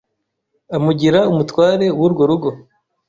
amugira umutware w’urwo rugo